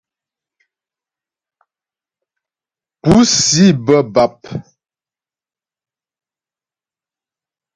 Púsi bə́ bap.